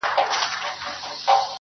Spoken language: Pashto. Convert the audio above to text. دوه شاهان په یوه ملک کي نه ځاییږي؛